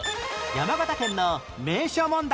山形県の名所問題